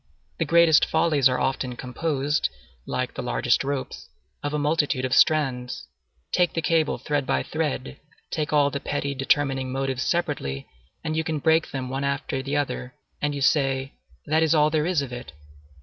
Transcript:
The greatest follies are often composed, like the largest ropes, of a multitude of strands. Take the cable thread by thread, take all the petty determining motives separately, and you can break them one after the other, and you say, "That is all there is of it!"